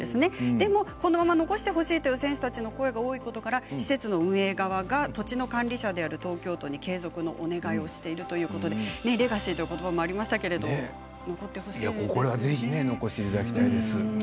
でも、このまま残してほしいという選手たちの声が多いことから施設の運営側が土地の管理者である東京都に継続のお願いをしているということでレガシーということばもありますけど残ってほしいですね。